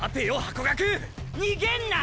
逃げんなァ！！